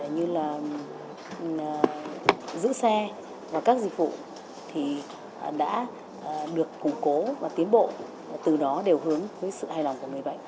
như là giữ xe và các dịch vụ thì đã được củng cố và tiến bộ từ đó đều hướng với sự hài lòng của người bệnh